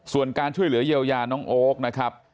ส่วนการช่วยเหลือเยียวยาน้องโอ๊คนะครับ